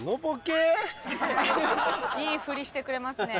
いい振りしてくれますね。